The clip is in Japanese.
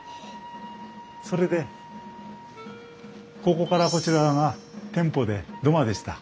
それでここからこちら側が店舗で土間でした。